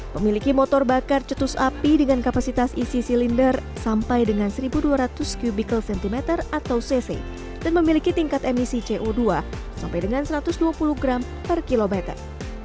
pemiliki motor bakar cetus api dengan kapasitas isi silinder sampai dengan satu dua ratus qubicara cm atau cc dan memiliki tingkat emisi co dua sampai dengan satu ratus dua puluh gram per kilometer